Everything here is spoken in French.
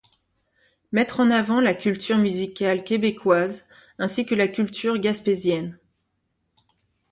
Mettre en avant la culture musicale québécoise, ainsi que la culture gaspésienne.